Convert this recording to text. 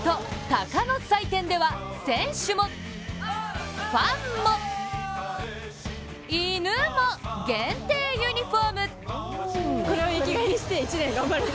鷹の祭典では選手もファンも、犬も限定ユニフォーム！